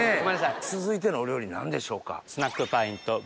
続いてのお料理何でしょうか？